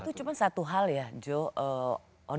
itu cuma satu hal ya joe